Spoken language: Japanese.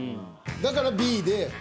だからＢで。